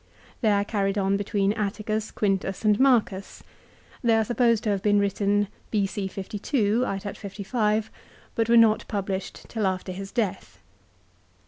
They are carried on between Atticus, Quintus, and Marcus. They are supposed to have been written B.C. 52 (actat. 55), but were not published till after his death.